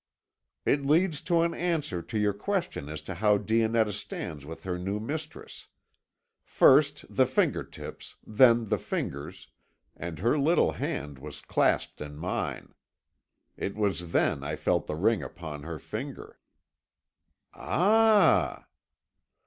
"It leads to an answer to your question as to how Dionetta stands with her new mistress. First the finger tips, then the fingers, and her little hand was clasped in mine. It was then I felt the ring upon her finger." "Ah!"